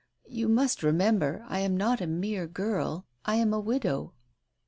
"You must remember I am not a mere girl — I am a widow."